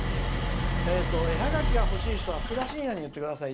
絵ハガキが欲しい人はふくだしんやに言ってください。